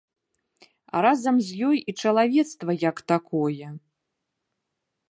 А разам з ёй і чалавецтва як такое.